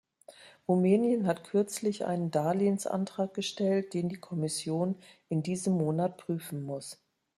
Rumänien hat kürzlich einen Darlehensantrag gestellt, den die Kommission in diesem Monat prüfen muss.